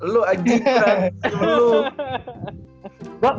lu aja yang keren